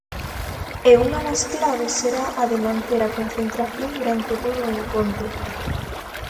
E unha das claves será a de manter a concentración durante todo o encontro.